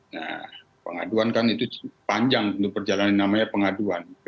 nah pengaduan kan itu panjang untuk perjalanan namanya pengaduan